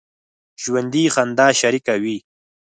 ژوندي خندا شریکه وي